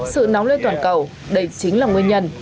sự nóng lên toàn cầu đây chính là nguyên nhân